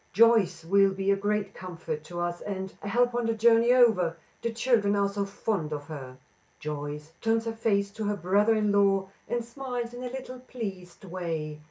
Joyce will be a great comfort to us, and a help on the journey over, the children are so fond of her." Joyce turns her face to her brother in law and smiles in a little pleased way.